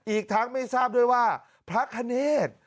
อีกทั้งไม่ทราบด้วยว่าพระคเนธ